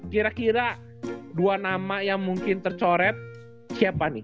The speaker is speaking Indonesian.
kira kira dua nama yang mungkin tercoret siapa nih